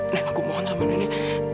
nek aku mohon sama nenek